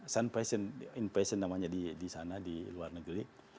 sun passion invasion namanya di sana di luar negeri